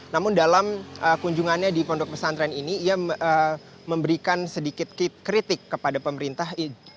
namun dalam kunjungannya di pondok pesantren ini ia memberikan sedikit kritik kepada pemerintah